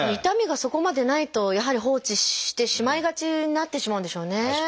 痛みがそこまでないとやはり放置してしまいがちになってしまうんでしょうね。